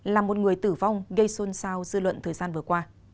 là một người tử vong gây xôn xao dư luận thời gian vừa qua